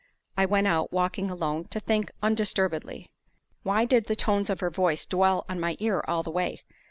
I went out, walking alone, to think undisturbedly. Why did the tones of her voice dwell on my ear all the way?